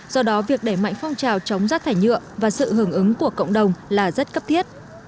do đó việc đẩy mạnh phong trào chống rác thải nhựa và sự hưởng ứng của cộng đồng là rất cấp thiết